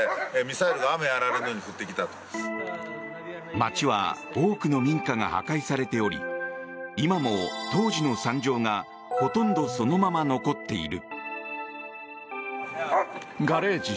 街は多くの民家が破壊されており今も当時の惨状がほとんどそのまま残っている。